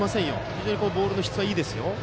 非常にボールの質はいいですよ。